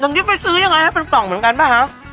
ดังนี้ไปซื้อยังไงเป็นกล่องเหมือนกันปะฮะ